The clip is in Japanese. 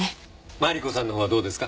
マリコさんのほうはどうですか？